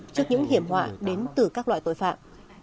trước những hiểm họa đến từ các loại tội phạm